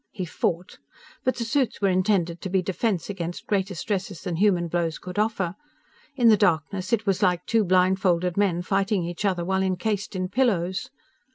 He fought. But the suits were intended to be defense against greater stresses than human blows could offer. In the darkness, it was like two blindfolded men fighting each other while encased in pillows.